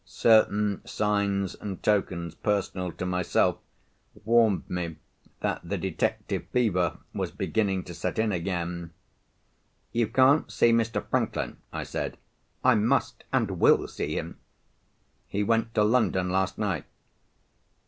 Certain signs and tokens, personal to myself, warned me that the detective fever was beginning to set in again. "You can't see Mr. Franklin," I said. "I must, and will, see him." "He went to London last night."